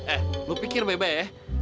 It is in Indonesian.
eh lu pikir bebeh ya